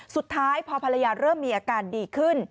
สุดท้ายพอภรรยาเริ่มมีอาการดีขึ้น